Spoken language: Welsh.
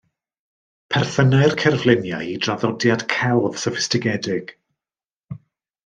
Perthynai'r cerfluniau i draddodiad celf soffistigedig.